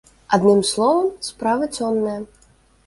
Адным словам, справа цёмная.